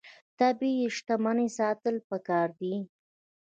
طبیعي شتمنۍ ساتل پکار دي.